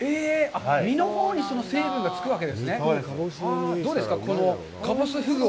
身のほうに成分がつくわけですね。